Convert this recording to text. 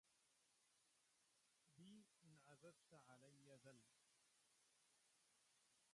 بي إن عززت علي ذل